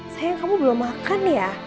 sayang kamu belum makan ya